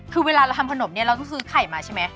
คือเวลาเราทำขนมเนี่ยเราต้องซื้อไข่มาใช่ไหม